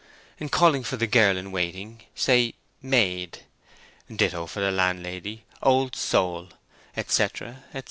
In calling for the girl in waiting, say, "Maid!" Ditto for the landlady, "Old Soul!" etc., etc.